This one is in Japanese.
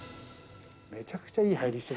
めちゃくちゃいい入りしてる。